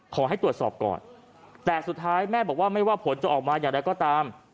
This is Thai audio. ขอให้ตรวจสอบก่อนแต่สุดท้ายแม่บอกว่าไม่ว่าผลจะออกมาอย่างไรก็ตาม